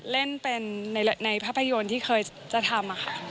เล่นเป็นในภาพยนตร์ที่เคยจะทำค่ะ